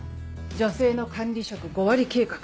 女性の管理職５割計画。